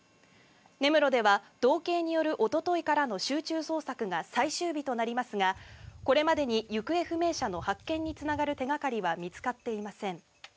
根室では道警によるおとといからの集中捜索が最終日となりますがこれまでに行方不明者の発見につながる手掛かりは見つかっていません。